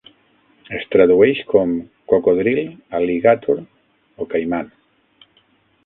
Es tradueix com cocodril, al·ligàtor o caiman.